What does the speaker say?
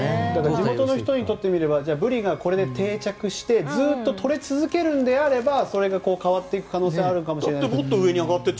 地元の人にすればブリがこれで定着してずっととれつづけるならそれが変わっていく可能性はあるかもしれない。